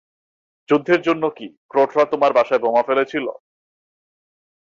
যুদ্ধের জন্য কি, ক্রোটরা তোমার বাসায় বোমা ফেলেছিল?